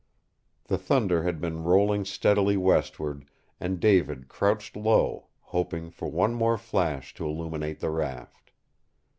The thunder had been rolling steadily westward, and David crouched low, hoping for one more flash to illumine the raft.